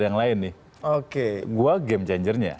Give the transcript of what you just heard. yang lain gue game changernya